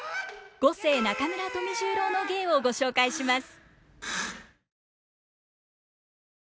五世中村富十郎の芸をご紹介します。